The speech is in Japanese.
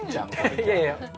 いやいや！